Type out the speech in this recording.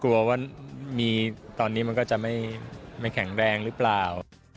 กลัวว่ามีตอนนี้มันก็จะไม่แข็งแรงหรือเปล่า